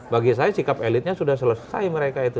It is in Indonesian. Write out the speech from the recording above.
bagi saya sikap elitnya sudah selesai mereka itu